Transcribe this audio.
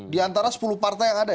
di antara sepuluh partai yang ada